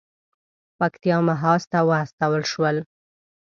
پکتیا محاذ ته واستول شول.